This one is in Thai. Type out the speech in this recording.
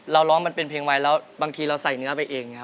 ร้องมันเป็นเพลงไว้แล้วบางทีเราใส่เนื้อไปเอง